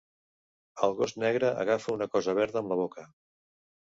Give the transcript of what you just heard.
El gos negre agafa una cosa verda amb la boca.